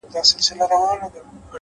احترام اړیکې پیاوړې کوي,